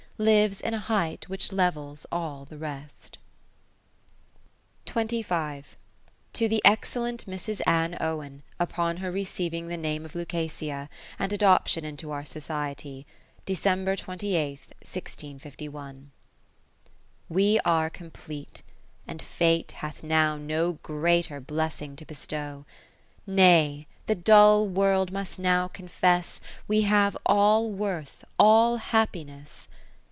Lives in a height which levels all the rest. 40 To the Excellent Mrs. Anne Owen, upon her receiving the Name of Lucasia, and Adoption into our Society, December 28, 1651 We are complete, and Fate hath now No greater blessing to bestow : (526) Nay, the dull World must now confess. We have all worth, all happiness.